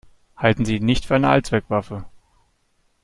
Halten Sie ihn nicht für eine Allzweckwaffe.